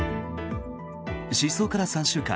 失踪から３週間。